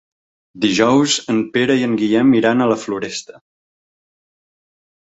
Dijous en Pere i en Guillem iran a la Floresta.